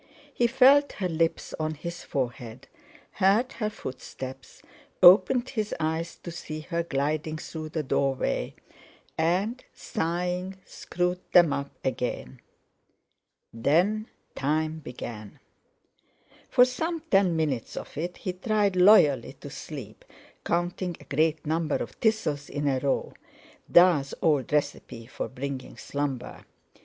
He felt her lips on his forehead, heard her footsteps; opened his eyes to see her gliding through the doorway, and, sighing, screwed them up again. Then Time began. For some ten minutes of it he tried loyally to sleep, counting a great number of thistles in a row, "Da's" old recipe for bringing slumber.